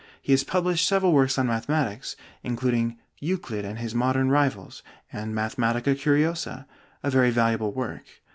He has published several works on mathematics, including 'Euclid and His Modern Rivals,' and 'Mathematica Curiosa,' a very valuable work.